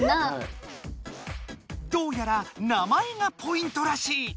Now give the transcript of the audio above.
どうやら名前がポイントらしい。